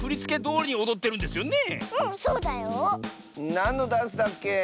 なんのダンスだっけ？